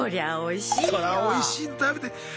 そらおいしいの食べて。